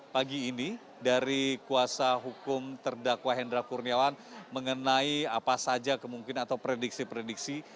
pagi ini dari kuasa hukum terdakwa hendra kurniawan mengenai apa saja kemungkinan atau prediksi prediksi